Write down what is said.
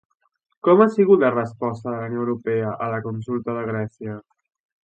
Com ha sigut la resposta de la Unió Europa a la consulta de Grècia?